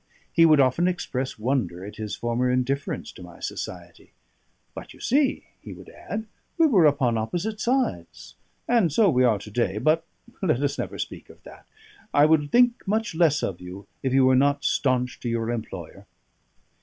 He would often express wonder at his former indifference to my society. "But, you see," he would add, "we were upon opposite sides. And so we are to day; but let us never speak of that. I would think much less of you if you were not staunch to your employer."